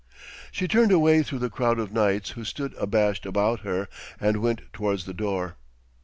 She turned away through the crowd of knights who stood abashed about her, and went towards the door.